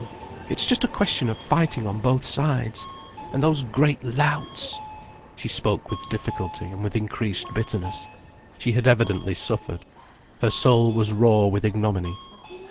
_ It's just a question of fighting on both sides—and those great louts——" She spoke with difficulty and with increased bitterness. She had evidently suffered. Her soul was raw with ignominy.